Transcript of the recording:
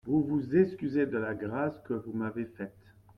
Vous vous excusez de la grâce que vous m'avez faite.